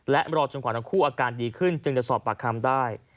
และรอจนกว่าทั้งคู่อาการดีขึ้นจึงจะสอบปากคำได้